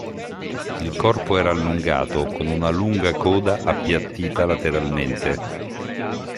Il corpo era allungato, con una lunga coda appiattita lateralmente.